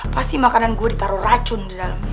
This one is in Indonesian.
pasti makanan gue ditaruh racun di dalamnya